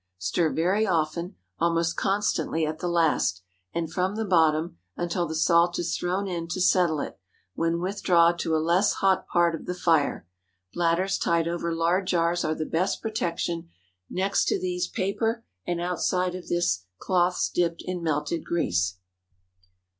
Stir very often—almost constantly at the last—and from the bottom, until the salt is thrown in to settle it, when withdraw to a less hot part of the fire. Bladders tied over lard jars are the best protection; next to these, paper, and outside of this, cloths dipped in melted grease.